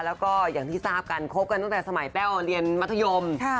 แล้วก็อย่างที่ทราบกันคบกันตั้งแต่สมัยแป้วเรียนมัธยม